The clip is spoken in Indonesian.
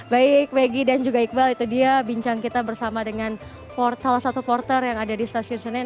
baik maggie dan juga iqbal itu dia bincang kita bersama dengan salah satu porter yang ada di stasiun senen